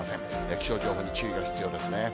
気象情報に注意が必要ですね。